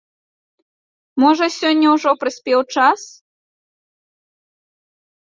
Можа, сёння ўжо прыспеў час?